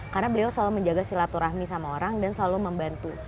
karena beliau selalu menjaga silaturahmi sama orang dan selalu membantu